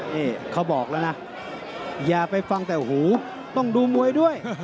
นี่เขาบอกแล้วนะอย่าไปฟังแต่หูต้องดูมวยด้วย